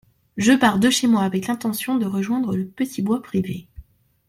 Je pars de chez moi avec l’intention de rejoindre le petit bois privé.